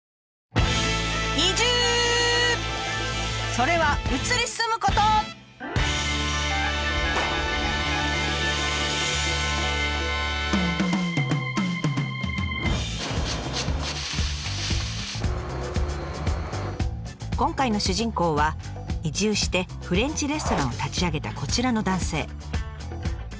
それは今回の主人公は移住してフレンチレストランを立ち上げたこちらの男性。